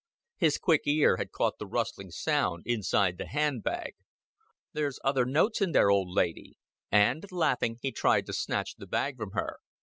His quick ear had caught the rustling sound inside the handbag. "There's other notes in there, old lady;" and, laughing, he tried to snatch the bag from her.